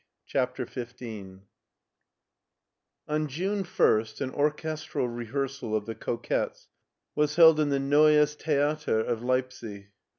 CHAPTER XV ON June I St an orchestral rehearsal of *'The Coquette5" was held in the Neues Theater of Leipsic.